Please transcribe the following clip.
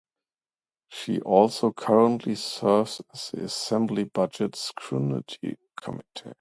She also currently serves on the Assembly Budget Scrutiny Committee.